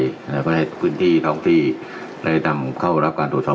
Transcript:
แล้วก็ให้พื้นที่ท้องที่และทำเข้ารับการตรวจสอบ